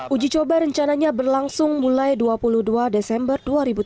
uji coba rencananya berlangsung mulai dua puluh dua desember dua ribu tujuh belas